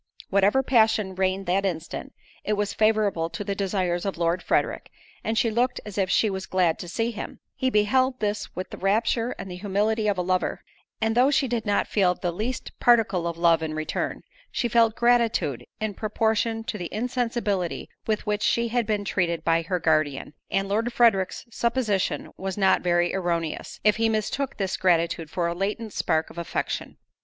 Whatever passion reigned that instant, it was favourable to the desires of Lord Frederick, and she looked as if she was glad to see him: he beheld this with the rapture and the humility of a lover; and though she did not feel the least particle of love in return, she felt gratitude in proportion to the insensibility with which she had been treated by her guardian; and Lord Frederick's supposition was not very erroneous, if he mistook this gratitude for a latent spark of affection.